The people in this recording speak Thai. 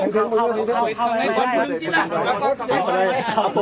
และปั้้วตัวไปเมื่อก์